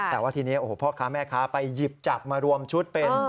แต่ว่าทีนี้โอ้โหพ่อค้าแม่ค้าไปหยิบจับมารวมชุดเป็น